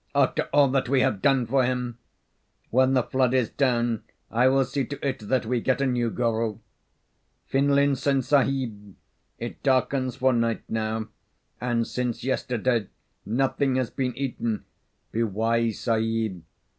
"After all that we have done for him! When the flood is down I will see to it that we get a new guru. Finlinson Sahib, it darkens for night now, and since yesterday nothing has been eaten. Be wise, Sahib.